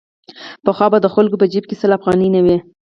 پخوا به د خلکو په جېب کې سل افغانۍ نه وې.